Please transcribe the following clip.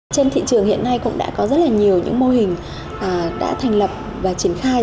trên thị trường hiện nay cũng đã có rất nhiều mô hình đã thành lập và triển khai